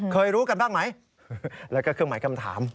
รู้กันบ้างไหมแล้วก็เครื่องหมายคำถาม